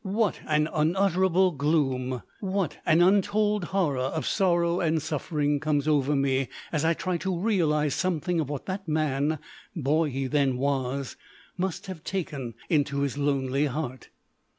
What an unutterable gloom, what an untold horror of sorrow and suffering comes over me as I try to realise something of what that man boy he then was must have taken into his lonely heart.